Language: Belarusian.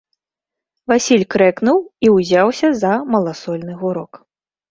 Васіль крэкнуў і ўзяўся за маласольны гурок.